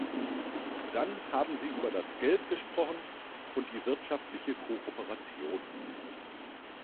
Dann haben Sie über das Geld gesprochen und die wirtschaftliche Kooperation.